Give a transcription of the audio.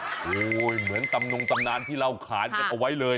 โอ้โหเหมือนตำนงตำนานที่เราขานกันเอาไว้เลย